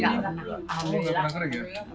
enggak pernah kering ya